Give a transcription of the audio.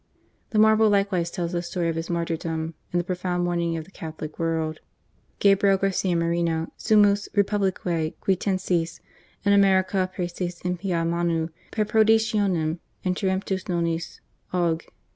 The marble likewise tells the story of his martyr dom, and the profound mourning of the Catholic world : GABRIEL GARCIA MORENO SUMMUS REIPUBLICiE QUITENSIS IN AMERICA PRiESES IMPIA MANU PER PRODITIONEM INTEREMPTUS NONIS AUG.